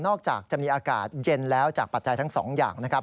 นอกจากจะมีอากาศเย็นแล้วจากปัจจัยทั้งสองอย่าง